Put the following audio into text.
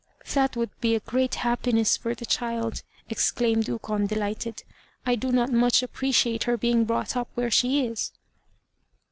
"That would be a great happiness for the child," exclaimed Ukon, delighted, "I do not much appreciate her being brought up where she is."